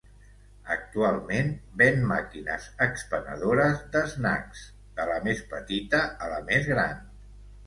Actualment ven màquines expenedores d'snacks, de la més petita a la més gran.